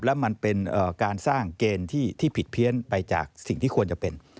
แล้วมันเป็นการสร้างเกณฑ์ที่ผิดเพี้ยนไปจากสิ่งที่ควรจะเป็น